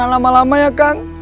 lama lama ya kang